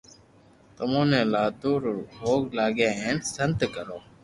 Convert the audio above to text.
تمو ني لادو رو ڀوگ لاگي ھين سنت ڪرو